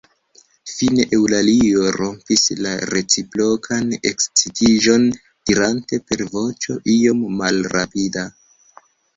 Fine Eŭlalio rompis la reciprokan ekscitiĝon, dirante per voĉo iom malrapida: